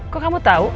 kok kamu tahu